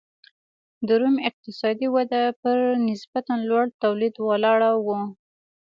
د روم اقتصادي وده پر نسبتا لوړ تولید ولاړه وه.